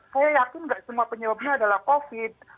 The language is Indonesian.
saya yakin nggak semua penyebabnya adalah covid